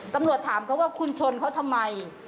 ตำรวจถามเขาว่าคุณชนเขาทำไม